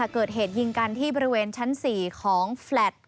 เกิดเหตุยิงกันที่บริเวณชั้น๔ของแฟลต